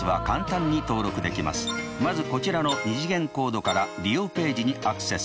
まずこちらの２次元コードから利用ページにアクセス。